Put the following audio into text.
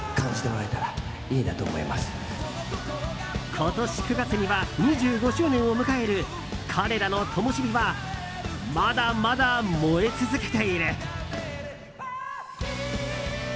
今年９月には２５周年を迎える彼らのともしびはまだまだ燃え続けている！